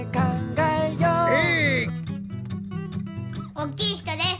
おっきい人です。